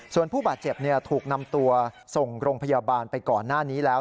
ส่วนผู้บาดเจ็บถูกนำตัวส่งโรงพยาบาลไปก่อนหน้านี้แล้ว